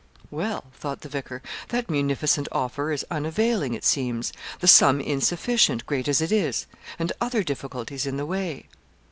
'Well,' thought the vicar, 'that munificent offer is unavailing, it seems. The sum insufficient, great as it is; and other difficulties in the way.'